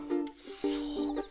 そうか。